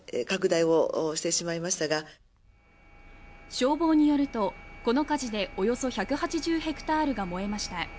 消防によると、この火事でおよそ１８０ヘクタールが燃えました。